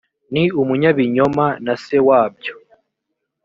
ni umunyabinyoma na se wabyo